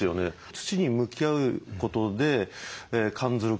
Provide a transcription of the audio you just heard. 土に向き合うことで感ずること